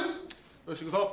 よしいくぞ。